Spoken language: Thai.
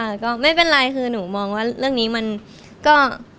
ก็ไม่เป็นไรคือหนูมองว่าเรื่องนี้มันก็